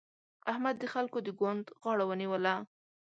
احمد د خلګو د ګوند غاړه ونيوله.